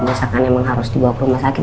kalau masakan memang harus dibawa ke rumah sakit